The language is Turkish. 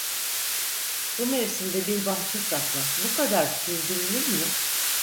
Bu mevsimde bir bahçe satmak bu kadar sürdürülür mü?